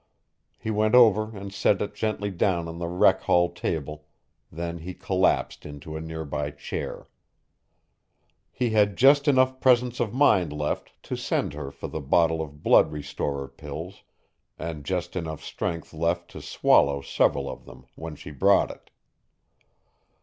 He went over and set it gently down on the rec hall table, then he collapsed into a nearby chair. He had just enough presence of mind left to send her for the bottle of blood restorer pills, and just enough strength left to swallow several of them when she brought it.